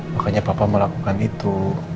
makanya papa mau lakukan itu